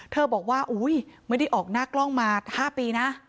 บอกว่าอุ๊ยไม่ได้ออกหน้ากล้องมา๕ปีนะ